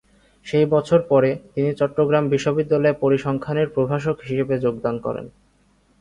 সেই বছর পরে, তিনি চট্টগ্রাম বিশ্ববিদ্যালয়ে পরিসংখ্যানের প্রভাষক হিসেবে যোগদান করেন।